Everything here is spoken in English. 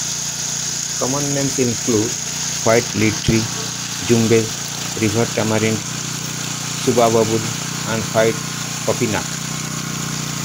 Common names include white leadtree, jumbay, river tamarind, Subabul, and white popinac.